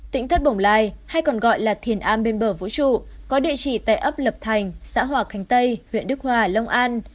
tỉnh thất bồng lai hay còn gọi là thiền an bên bờ vũ trụ có địa chỉ tại ấp lập thành xã hòa khánh tây huyện đức hòa long an